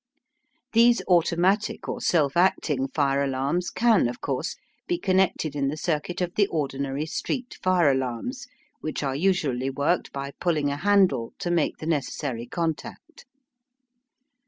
These automatic or self acting fire alarms can, of course, be connected in the circuit of the ordinary street fire alarms, which are usually worked by pulling a handle to make the necessary contact.